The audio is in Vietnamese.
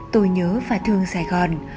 tôi nhớ và thương sài gòn